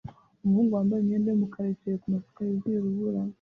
Umuhungu wambaye imyenda yumukara yicaye kumasuka yuzuye urubura